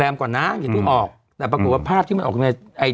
ก่อนนะอย่าเพิ่งออกแต่ปรากฏว่าภาพที่มันออกในไอ